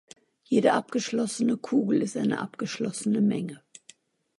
Jede abgeschlossene Kugel ist eine abgeschlossene Menge.